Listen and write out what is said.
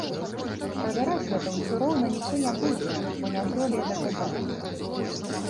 Правяраць гэта ўсё роўна ніхто не будзе, бо не здолее даказаць.